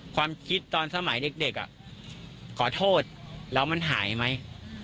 ความคิดตอนสมัยเด็กขอโทษแล้วมันหายไหม